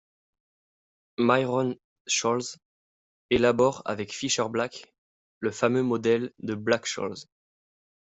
Myron Scholes élabore avec Fischer Black le fameux modèle de Black-Scholes.